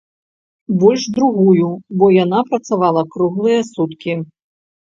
Больш другую, бо яна працавала круглыя суткі.